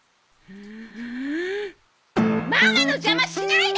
ママの邪魔しないで！